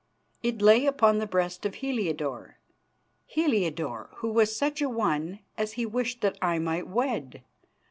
It lay upon the breast of Heliodore, Heliodore who was such a one as he wished that I might wed.